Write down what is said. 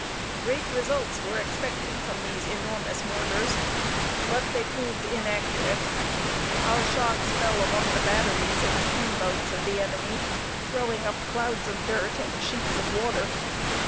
Great results were expected from these enormous mortars, but they proved inaccurate. Our shots fell among the batteries and steamboats of the enemy, throwing up clouds of dirt and sheets of water.